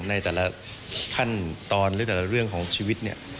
ในแต่ละขั้นตอนหรือแต่ละเรื่องของชีวิตเนี่ย